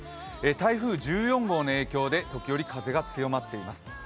台風１４号の影響で時折、風が強まっています。